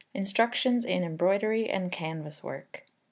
Instructions in Embroidery and Canvas Work.